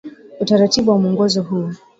Utaratibu wa mwongozo huu